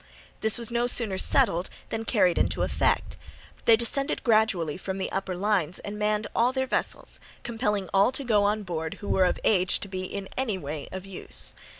This was no sooner settled than carried into effect; they descended gradually from the upper lines and manned all their vessels, compelling all to go on board who were of age to be in any way of use.